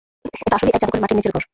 এটা আসলেই এক জাদুকরের মাটির নিচের ঘর।